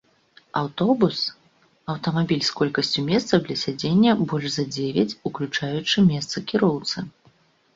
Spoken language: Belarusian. аўтобус — аўтамабіль з колькасцю месцаў для сядзення больш за дзевяць, уключаючы месца кіроўцы